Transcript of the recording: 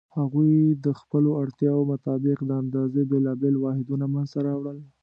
هغوی د خپلو اړتیاوو مطابق د اندازې بېلابېل واحدونه منځته راوړل.